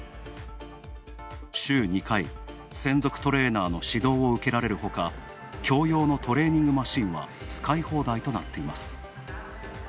週２回、専属トレーナーの指導を受けられるほか共用のトレーニングマシンは使い放題となっています。